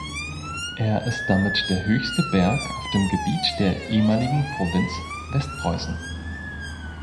Er ist damit der höchste Berg auf dem Gebiet der ehemaligen Provinz Westpreußen.